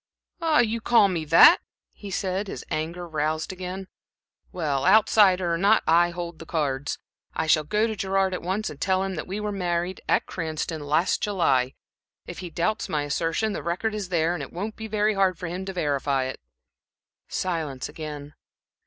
"Ah, you call me that!" he said, his anger roused again. "Well, outsider or not, I hold the cards. I shall go to Gerard at once and tell him that we were married at Cranston, last July. If he doubts my assertion, the record is there, and it won't be very hard for him to verify it." Silence again.